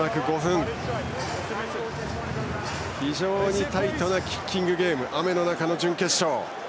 非常にタイトなキッキングゲーム雨の中の準決勝。